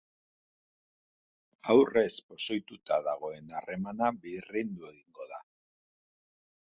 Aurrez pozoituta dagoen harremana birrindu egingo da.